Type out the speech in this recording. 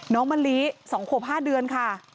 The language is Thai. มะลิ๒ขวบ๕เดือนค่ะ